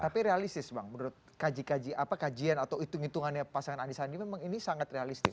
tapi realistis bang menurut kajian atau hitung hitungannya pasangan andi sandi memang ini sangat realistis